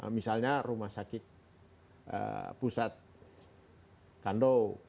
misalnya rumah sakit pusat kando